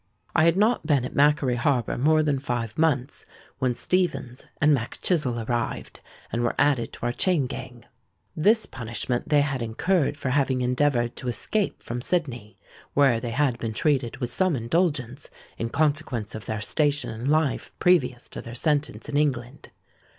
"I had not been at Macquarie Harbour more than five months, when Stephens and Mac Chizzle arrived, and were added to our chain gang. This punishment they had incurred for having endeavoured to escape from Sydney, where they had been treated with some indulgence, in consequence of their station in life previous to their sentence in England.